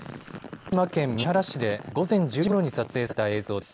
広島県三原市で午前１０時ごろに撮影された映像です。